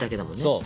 そう。